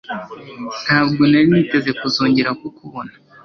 Ntabwo nari niteze kuzongera kukubona